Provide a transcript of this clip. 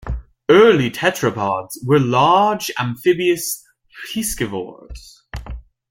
Early tetrapods were large amphibious piscivores.